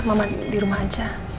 mama di rumah aja